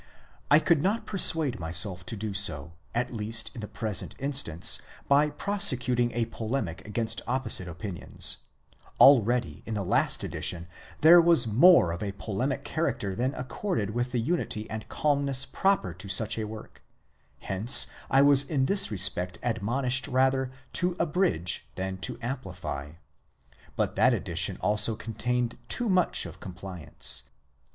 I could not persuade myself to do so, at least in the present instance, by prosecuting a polemic against opposite opinions, Al ready in the last edition there was more of a polemical character than accorded with the unity and calmness proper to such a work; hence I was in this respect admonished rather to abridge than to amplify. But that edition also contained too much of compliance.